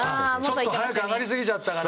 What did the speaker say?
ちょっと早く上がりすぎちゃったから。